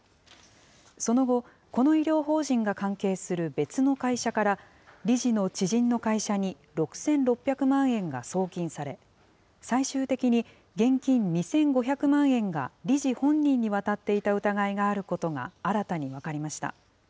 その後、この医療法人が関係する別の会社から、理事の知人の会社に、６６００万円が送金され、最終的に現金２５００万円が理事本人に渡っていた疑いがあることが新たに分かりました。